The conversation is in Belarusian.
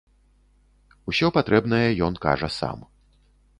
Усё патрэбнае ён кажа сам.